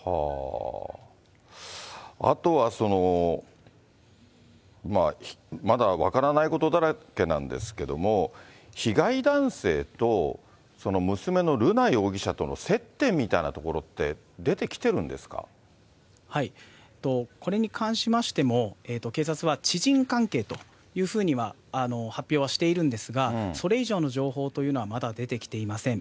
あとはその、まだ分からないことだらけなんですけれども、被害男性と娘の瑠奈容疑者との接点みたいなところって、出てきてこれに関しましても、警察は知人関係というふうには発表はしているんですが、それ以上の情報というのはまだ出てきていません。